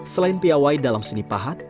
selain piawai dalam seni pahat